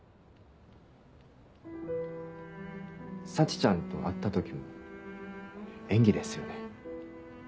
沙智ちゃんと会った時も演技ですよね？